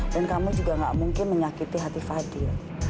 dan kamu juga gak mungkin menyakiti hati fadil